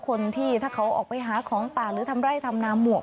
คนที่ถ้าเขาออกไปหาของป่าหรือทำไร่ทำนาหมวก